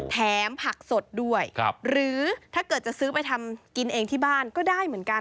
ผักสดด้วยหรือถ้าเกิดจะซื้อไปทำกินเองที่บ้านก็ได้เหมือนกัน